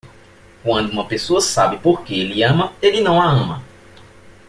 Quando uma pessoa sabe por que ele ama, ele não a ama.